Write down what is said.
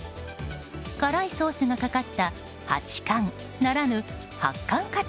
辛いソースがかかった八冠ならぬ発汗勝つ